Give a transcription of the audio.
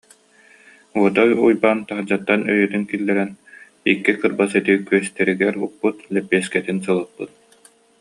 Уодай Уйбаан таһырдьаттан өйүөтүн киллэрэн: икки кырбас эти күөстэригэр укпут, лэппиэскэтин сылыппыт